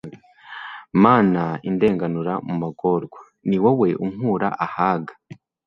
mana indenganura; mu magorwa ni wowe unkura ahaga